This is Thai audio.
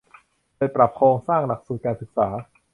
โดยปรับโครงสร้างหลักสูตรการศึกษา